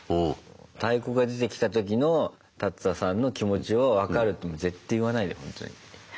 太鼓が出てきた時の立田さんの気持ちを分かるって絶対言わないでほんとに。